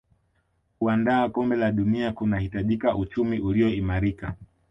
kuandaa kombe la dunia kunahitaji uchumi uliyoimarika